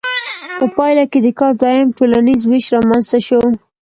په پایله کې د کار دویم ټولنیز ویش رامنځته شو.